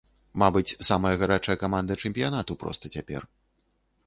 Мабыць, самая гарачая каманда чэмпіянату проста цяпер.